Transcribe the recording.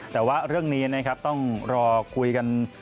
แต่ว่าเรื่องนี้ต้องรอคุยกัน